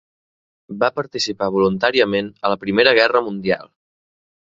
Va participar voluntàriament a la Primera Guerra Mundial.